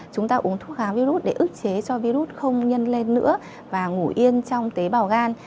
chúng ta uống thuốc kháng virus để ức chế cho virus không nhân lên nữa và ngủ yên trong tế bào gan